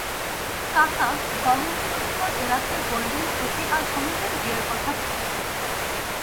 কাকা গমনোদ্যত এলাকে বললেন তোকে আর কোনোদিন বিয়ের কথা বলব না।